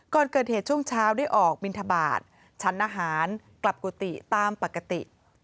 ก่อนเกิดเหตุช่วงเช้าได้ออกบินทบาทชั้นอาหารกลับกุฏิตามปกติ